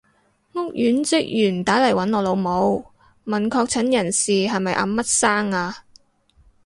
屋苑職員打嚟搵我老母，問確診人士係咪阿乜生啊？